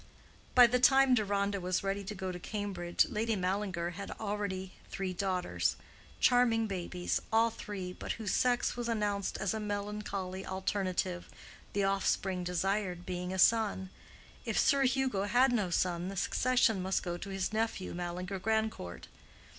By the time Deronda was ready to go to Cambridge, Lady Mallinger had already three daughters—charming babies, all three, but whose sex was announced as a melancholy alternative, the offspring desired being a son; if Sir Hugo had no son the succession must go to his nephew, Mallinger Grandcourt.